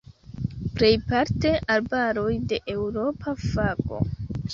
Plejparte arbaroj de eŭropa fago.